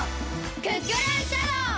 クックルンシャドー！